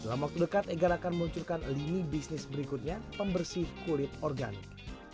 dalam waktu dekat egar akan meluncurkan lini bisnis berikutnya pembersih kulit organik